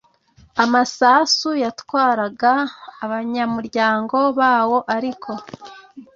amasasu yatwaraga abanyamuryango bawo ariko